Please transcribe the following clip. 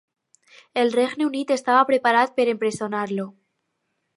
El Regne Unit estava preparat per empresonar-lo.